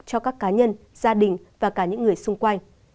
cho các cá nhân gia đình và cả những người xung quanh